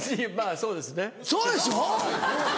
そうでしょ。